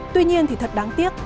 tuy nhiên thì thật đáng tiếc